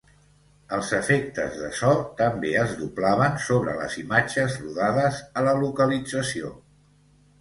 Els efectes de so també es doblaven sobre les imatges rodades a la localització.